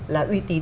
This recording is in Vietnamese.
là uy tín